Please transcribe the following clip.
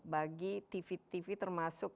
bagi tv tv termasuk